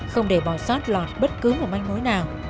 không để bỏ sót lọt bất cứ một manh mối nào